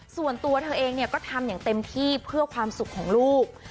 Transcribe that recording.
ส่วนตัวเธอเองก็ทำอย่างเต็มที่เพื่อความสุขของลูก